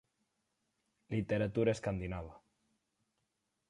Literatura Escandinava